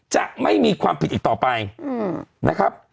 จะไม่มีความผิดอีกต่อไปนะครับ